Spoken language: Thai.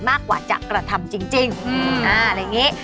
มากกว่าจะกระทำจริงอะไรอย่างนี้